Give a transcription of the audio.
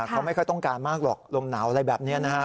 เขาไม่ค่อยต้องการมากหรอกลมหนาวอะไรแบบนี้นะฮะ